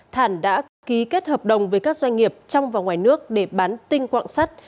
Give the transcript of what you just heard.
thản đã ký kết hợp đồng với các doanh nghiệp trong và ngoài nước để bán tinh quạng sắt